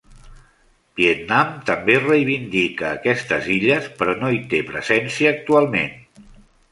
Vietnam també reivindica aquestes illes, però no hi té presència actualment.